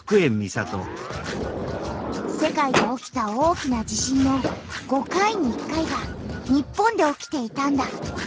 世界で起きた大きな地震の５回に１回が日本で起きていたんだ。